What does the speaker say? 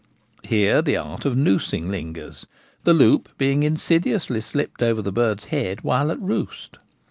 Here the art of noosing lingers ; the loop being insidiously slipped over the bird's head while at roost.